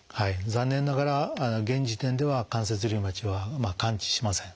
残念ながら現時点では関節リウマチは完治しません。